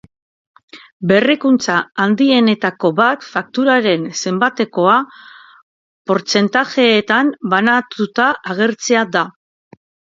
Berrikuntza handienetako bat fakturaren zenbatekoa portzentajeetan banatuta agertzea da.